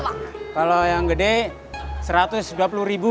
kan ada bantuan yang lainnya